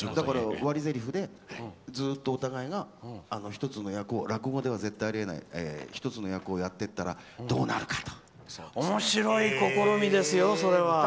割りぜりふでずっとお互いが落語では絶対にあり得ない１つの役をやっていったらおもしろい試みですよ。